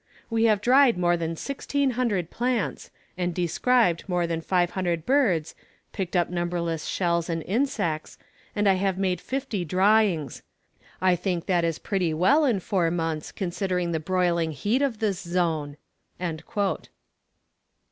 We have dried more than 1600 plants, and described more than 500 birds, picked up numberless shells and insects, and I have made some fifty drawings. I think that is pretty well in four months, considering the broiling heat of this zone."